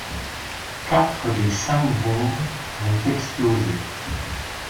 Quatre des cinq bombes vont exploser.